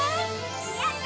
やった！